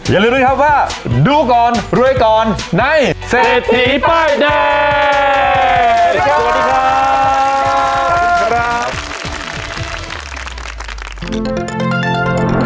อย่าลืมด้วยครับว่าดูก่อนรวยก่อนในเศรษฐีป้ายแดง